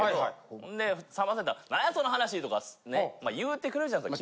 ほんでさんまさんやったら「なんやその話！？」とかね言うてくれるじゃないですか